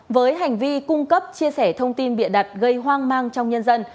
với hành vi cung cấp chia sẻ thông tin bịa đặt gây hoang mang trong nhân dân